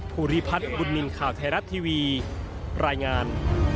ภูริพัฒน์บุญนินทร์ข่าวไทยรัฐทีวีรายงาน